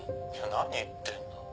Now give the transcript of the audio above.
「何言ってんだよ